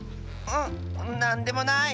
んなんでもない。